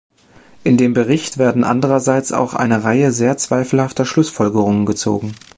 In dem Bericht werden andererseits auch eine Reihe sehr zweifelhafter Schlussfolgerungen gezogen.